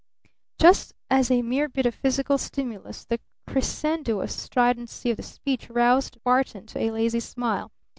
Just as a mere bit of physical stimulus the crescendoish stridency of the speech roused Barton to a lazy smile.